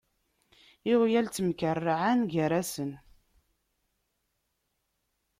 Iɣyal ttemkerrɛan gar-asen.